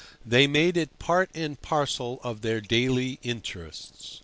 They made it part and parcel of their daily interests.